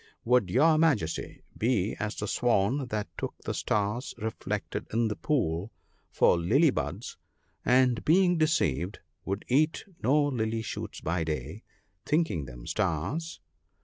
Would your Majesty be as the Swan that took the stars reflected in the pool for lily buds, and being deceived, would eat no lily shoots by day, thinking them stars